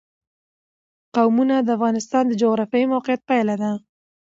قومونه د افغانستان د جغرافیایي موقیعت پایله ده.